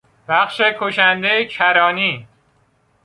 بخش کشند کرانی